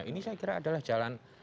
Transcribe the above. ini saya kira adalah jalan